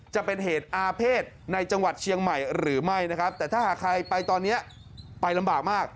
จะเป็นเหตุอาเภษในจังหวัดเชียงใหม่หรือไม่นะครับแต่ถ้าหากใครไปตอนนี้ไปลำบากมาก